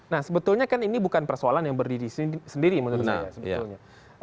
nah sebetulnya kan ini bukan persoalan yang berdiri sendiri menurut saya sebetulnya